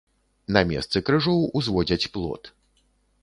На месцы крыжоў узводзяць плот.